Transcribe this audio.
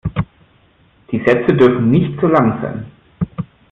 Die Sätze dürfen nicht zu lang sein.